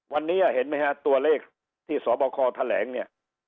วันนี้เห็นไหมฮะตัวเลขที่สบคแถลงเนี่ย